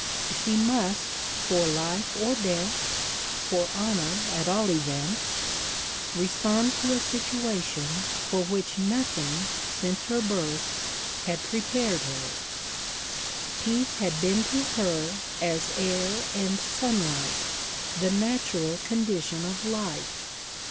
She must, for life or death, for honor, at all events, respond to a situation for which nothing, since her birth, had prepared her. Peace had been to her as air and sunlight the natural condition of life.